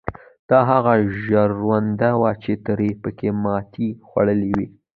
دا هغه ژرنده وه چې تره پکې ماتې خوړلې وه.